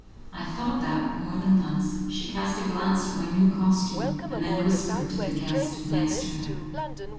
I thought that, more than once, she cast a glance at my new costume, and then whispered to the guest next to her.